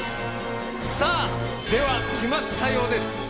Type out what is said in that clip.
さあでは決まったようです。